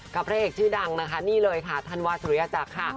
พระเอกชื่อดังนะคะนี่เลยค่ะท่านวาสุริยจักรค่ะ